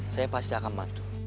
saya pasti akan bantu